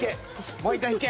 もう１回引け！